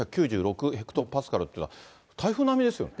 ヘクトパスカルというのは、台風並みですよね。